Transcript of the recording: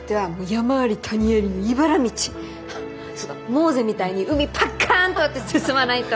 モーゼみたいに海パッカーンと割って進まないと！